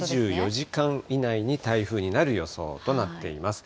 ２４時間以内に台風になる予想となっています。